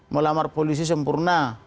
melamar polisi sempurna